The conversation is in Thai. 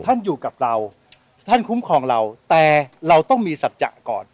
ท่านอยู่กับเราท่านคุ้มครองเราแต่เราต้องมีสัจจะก่อน